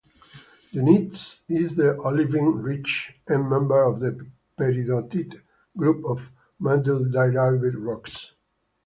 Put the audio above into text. Dunite is the olivine-rich end-member of the peridotite group of mantle-derived rocks.